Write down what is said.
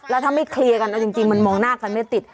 แล้วถ้าไม่เคลียร์กันเอาจริงมันมองหน้ากันไม่ติด